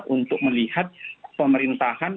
untuk melihat pemerintahan